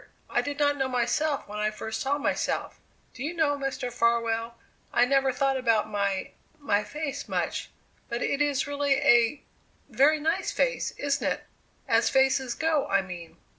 I did not know myself when I first saw myself. Do you know, Mr. Farwell, I never thought about my my face, much, but it is really a very nice face, isn't it? As faces go, I mean?"